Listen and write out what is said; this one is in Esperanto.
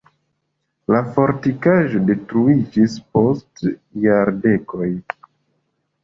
La fortikaĵo detruiĝis post jardekoj.